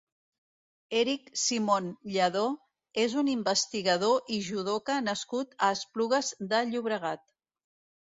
Erik Simón Lledó és un investigador i judoka nascut a Esplugues de Llobregat.